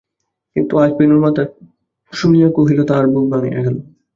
কিন্তু আজ বেণুর মার কথা শুনিয়া তাহার বুক ভাঙিয়া গেল।